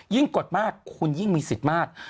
กดมากคุณยิ่งมีสิทธิ์มาก